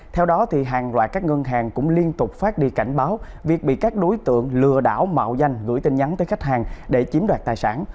theo đó hàng loạt các ngân hàng cũng liên tục phát đi cảnh báo việc bị các đối tượng lừa đảo mạo danh gửi tin nhắn tới khách hàng để chiếm đoạt tài sản